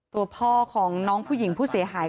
ตัวพ่อของน้องผู้หญิงผู้เสียหาย